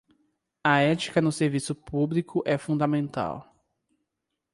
A ética no serviço público é fundamental